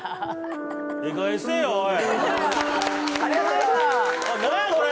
ええかげんにせいよ、おい！